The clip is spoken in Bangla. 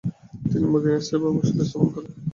তিনি মদিনায় স্থায়ীভাবে বসতি স্থাপন করেন।